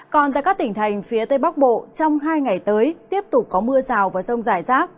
còn tại các tỉnh thành phía tây bắc bộ trong hai ngày tới tiếp tục có mưa rào và rông rải rác